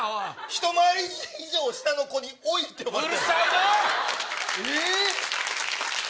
一回り以上、下の子においって呼ばれてるの。